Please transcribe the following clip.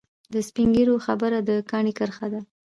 د سپین ږیرو خبره د کاڼي کرښه ده.